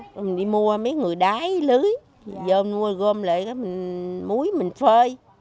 mình đi mua mấy người đáy lưới vô mua gom lại cái mũi mình phơi